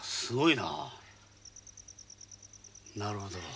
なるほど。